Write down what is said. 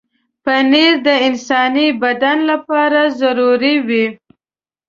پنېر د انساني بدن لپاره ضروري دی.